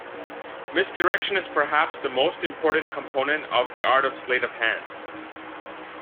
Misdirection is perhaps the most important component of the art of sleight of hand.